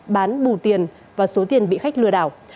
bán bù tiền và số tiền bị khách lừa đảo